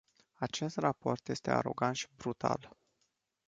Acest raport este arogant și brutal.